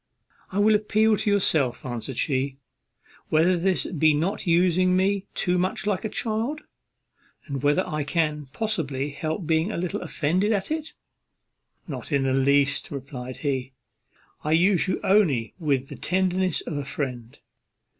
"I will appeal to yourself," answered she, "whether this be not using me too much like a child, and whether I can possibly help being a little offended at it?" "Not in the least," replied he; "I use you only with the tenderness of a friend.